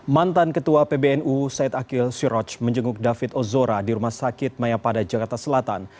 mantan ketua pbnu said akil siroj menjenguk david ozora di rumah sakit mayapada jakarta selatan